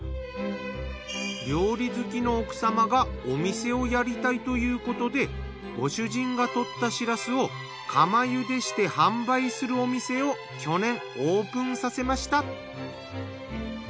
料理好きの奥様がお店をやりたいということでご主人が獲ったシラスを釜茹でして販売するお店を去年オープンさせました。